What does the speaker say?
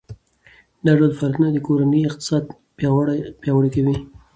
دا ډول فعالیتونه د کورنۍ اقتصاد پیاوړی کوي.